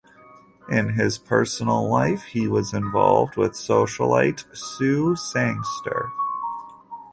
In his personal life he was involved with socialite Sue Sangster.